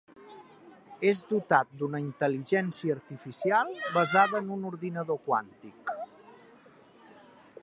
És dotat d'una intel·ligència artificial basada en un ordinador quàntic.